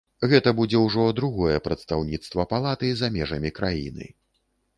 Гэта будзе ўжо другое прадстаўніцтва палаты за межамі краіны.